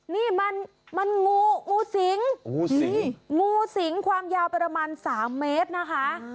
นี่มันงูงูสิงงูสิงความยาวประมาณ๓เมตรนะคะ